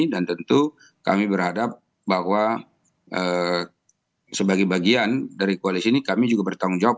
dan tentu kami berhadap bahwa sebagai bagian dari koalisi ini kami juga bertanggung jawab